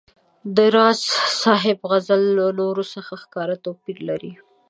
د راز صاحب غزل له نورو څخه ښکاره توپیر لري.